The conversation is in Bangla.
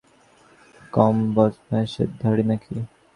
সন্দু বিও কি কম বদমায়েশের ধাড়ি নাকি?